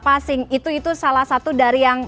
passing itu salah satu dari yang